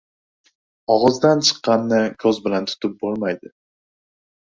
Og‘izdan chiqqanni ko‘z bilan tutib bo‘lmaydi